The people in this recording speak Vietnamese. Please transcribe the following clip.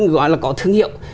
gọi là có thương hiệu